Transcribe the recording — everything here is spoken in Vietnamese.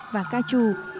và ca trù